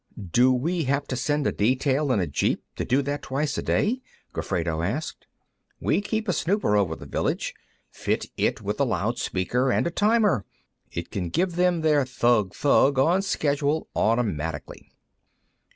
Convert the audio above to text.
"Do we have to send a detail in a jeep to do that twice a day?" Gofredo asked. "We keep a snooper over the village; fit it with a loud speaker and a timer; it can give them their thugg thugg, on schedule, automatically."